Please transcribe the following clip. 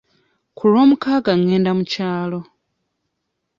Ku lwomukaaga ngenda mu kyalo.